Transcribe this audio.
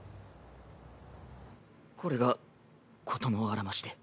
これが事のあらましで。